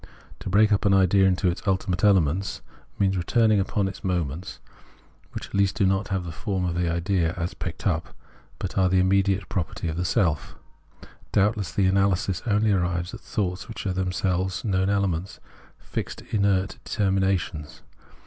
To break up an idea into its ultimate elements means returning upon its moments, which at least do not have the form of the idea as picked up, but are the imjnediate property of the self. Doubt less this analysis only arrives at thoughts which are themselves known elements, fixed inert determinations.